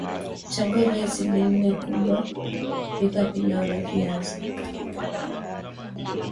Chagua viazi nne vikubwa vya kupika pilau la viazi